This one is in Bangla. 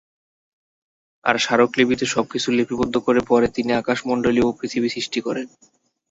আর স্মারকলিপিতে সব কিছু লিপিবদ্ধ করে পরে তিনি আকাশমণ্ডলী ও পৃথিবী সৃষ্টি করেন।